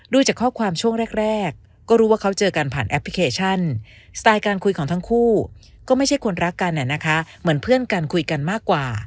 จากข้อความช่วงแรกก็รู้ว่าเขาเจอกันผ่านแอปพลิเคชันสไตล์การคุยของทั้งคู่ก็ไม่ใช่คนรักกันนะคะเหมือนเพื่อนกันคุยกันมากกว่า